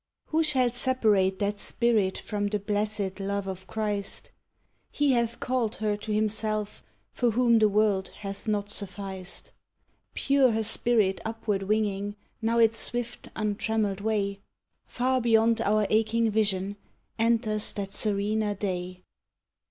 Who shall separate that spirit from the blessed love of Christ? He hath called her to Himself for whom the world hath not sufficed. Pure her spirit upward winging now its swift, untrameled way, Far beyond our aching vision, enters that serener day.